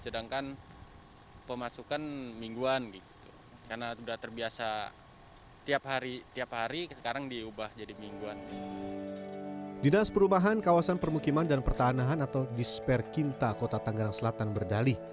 dinas perubahan kawasan permukiman dan pertanahan atau disperkinta kota tanggarang selatan berdali